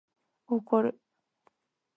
怒る